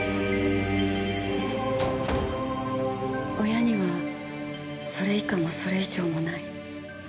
親にはそれ以下もそれ以上もない。